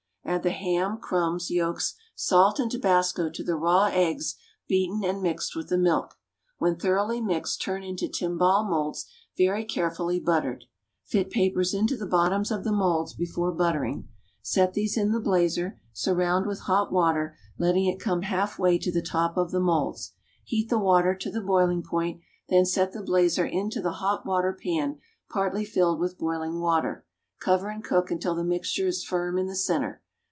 Add the ham, crumbs, yolks, salt and tabasco to the raw eggs beaten and mixed with the milk. When thoroughly mixed turn into timbale moulds very carefully buttered. Fit papers into the bottoms of the moulds before buttering. Set these in the blazer, surround with hot water, letting it come half way to the top of the moulds. Heat the water to the boiling point, then set the blazer into the hot water pan partly filled with boiling water, cover and cook until the mixture is firm in the centre.